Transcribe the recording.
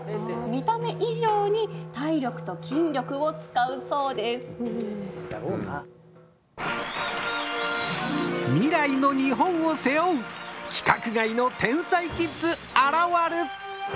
見た目以上に体力と筋力を使うそうですだろうな未来の日本を背負う規格外の天才キッズ現る